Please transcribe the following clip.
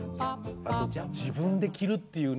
自分で着るっていうね。